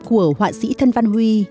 của họa sĩ thân văn huy